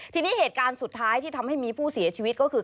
ทีนี้เหตุการณ์สุดท้ายที่ทำให้มีผู้เสียชีวิตก็คือ